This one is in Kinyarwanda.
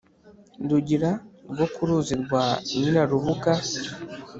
Rugira rwo ku ruzi rwa Nyirarubuga